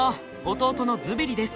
弟のズベリです。